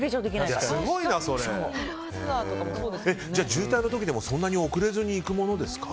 渋滞の時でもそんなに遅れずに行くものですか。